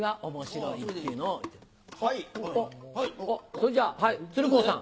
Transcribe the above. それじゃ鶴光さん。